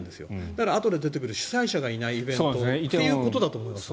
だから、あとで出てくる主催者がいないイベントということだと思います。